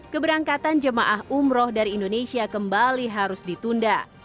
keberangkatan jemaah umroh dari indonesia kembali harus ditunda